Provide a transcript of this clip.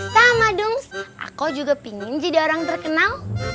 sama dungs aku juga pingin jadi orang terkenal